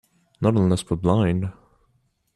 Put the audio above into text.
Not unless we're blind.